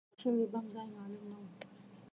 د ښخ شوي بم ځای معلوم نه و.